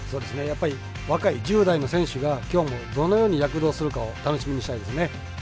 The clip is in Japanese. やっぱり若い１０代の選手が今日もどのように躍動するかを楽しみにしたいですね。